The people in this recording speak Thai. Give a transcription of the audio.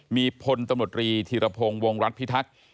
มีพลตำรวจรีธีรพงศ์วงรัฐพิทักษ์